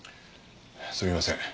すみません。